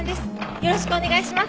よろしくお願いします。